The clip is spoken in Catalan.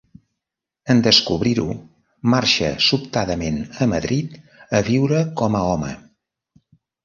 En descobrir-ho, marxa sobtadament a Madrid a viure com a home.